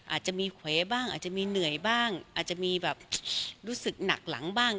อาจจะมีเขวบ้างอาจจะมีเหนื่อยบ้างอาจจะมีแบบรู้สึกหนักหลังบ้าง